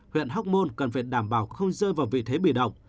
huyện hóc môn cần phải đảm bảo không rơi vào vị thế bị động